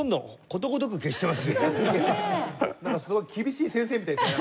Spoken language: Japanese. すごい厳しい先生みたいですね。